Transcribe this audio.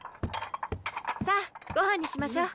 さあご飯にしましょう！